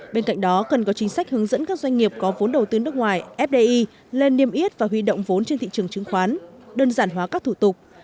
bên cạnh đó cần có chính sách hướng dẫn các doanh nghiệp có vốn đầu tư nước ngoài fdi lên niêm yết và huy động vốn trên thị trường chứng khoán đơn giản hóa các thủ tục